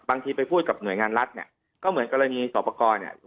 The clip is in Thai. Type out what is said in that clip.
ไปพูดกับหน่วยงานรัฐเนี่ยก็เหมือนกรณีสอบประกอบเนี่ย